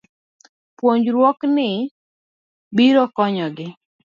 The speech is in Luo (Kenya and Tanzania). Puonjruokni biro konyogi